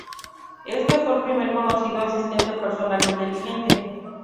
Éste fue el primer conocido asistente personal inteligente.